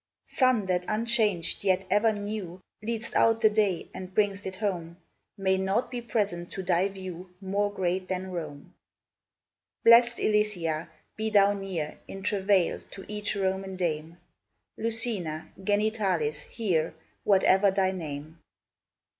Sun, that unchanged, yet ever new, Lead'st out the day and bring'st it home, May nought be present to thy view More great than Rome! Blest Ilithyia! be thou near In travail to each Roman dame! Lucina, Genitalis, hear, Whate'er thy name!